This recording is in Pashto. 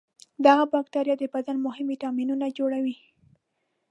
دغه بکتریا د بدن مهم ویتامینونه جوړوي.